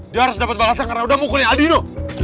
dia harus dapet balasan karena udah mukulin aldino